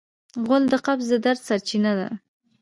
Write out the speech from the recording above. غول د قبض د درد سرچینه ده.